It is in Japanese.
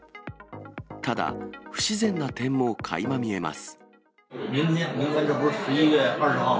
ただ、不自然な点もかいま見えます。